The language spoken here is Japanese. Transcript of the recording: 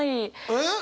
えっ！